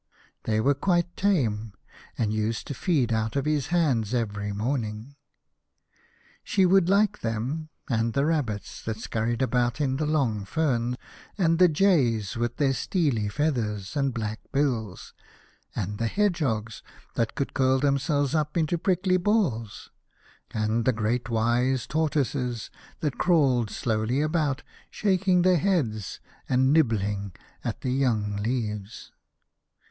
They were quite tame, and used to feed out ot his hands every morning. She would like them, and the rabbits that scurried about in the long fern, and the jays with their steely feathers and black bills, and the hedgehogs that could curl themselves up into prickly balls, and the great wise tortoises that crawled slowly about, shaking their heads and nibbling at the young leaves.